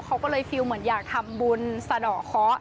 เขาก็เลยฟิลเหมือนอยากทำบุญสะดอกเคาะ